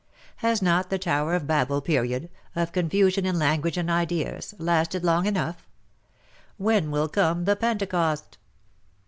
Has not the Tower of Babel period — of confusion in language and ideas — lasted long enough ? When will come the Pentecost